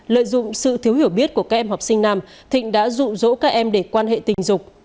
lợi dụng sự thiếu hiểu biết của các em học sinh nam thịnh đã rụ rỗ các em để quan hệ tình dục